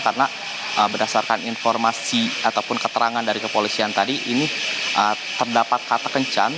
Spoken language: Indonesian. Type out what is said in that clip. karena berdasarkan informasi ataupun keterangan dari kepolisian tadi ini terdapat kata kencan